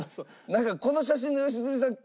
なんかこの写真の良純さん。